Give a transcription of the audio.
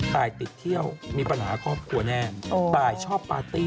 ตายติดเที่ยวมีปัญหาครอบครัวแน่ตายชอบปาร์ตี้